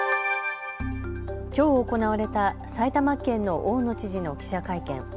きょう行われた埼玉県の大野知事の記者会見。